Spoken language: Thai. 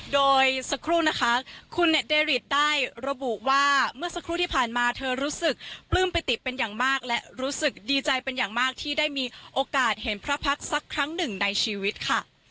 โดยสักครู่นะคะคุณเดริดได้ระบุว่าเมื่อสักครู่ที่ผ่านมาเธอรู้สึกปลื้มปิติเป็นอย่างมากและรู้สึกดีใจเป็นอย่างมากที่ได้มีโอกาสเห็นพระพักษ์สักครั้งหนึ่งในชีวิตค่ะ